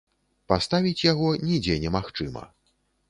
Паставіць яго нідзе не магчыма.